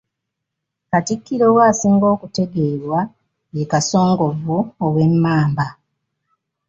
Katikkiro we asinga okutegeerwa ye Kasongovu ow'Emmamba.